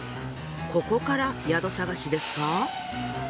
ここから宿探しですか？